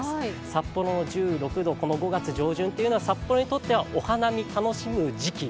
札幌１６度この５月上旬というのは札幌にとってはお花見を楽しむ時期。